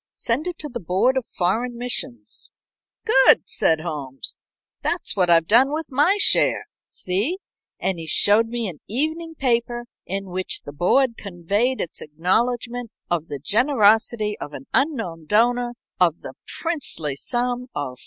Send it to the Board of Foreign Missions." "Good!" said Holmes. "That's what I've done with my share. See!" And he showed me an evening paper in which the board conveyed its acknowledgment of the generosity of an unknown donor of the princely sum of $15,000.